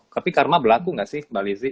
tapi karma berlaku gak sih mbak lizzy